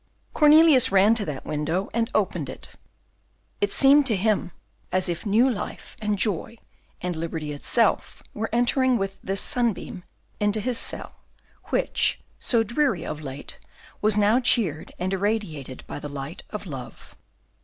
Cornelius ran to that window and opened it; it seemed to him as if new life, and joy, and liberty itself were entering with this sunbeam into his cell, which, so dreary of late, was now cheered and irradiated by the light of love.